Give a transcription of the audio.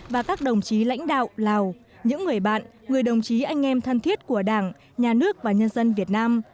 và các đồng chí lãnh đạo lào những người bạn người đồng chí anh em thân thiết của đảng nhà nước và nhân dân việt nam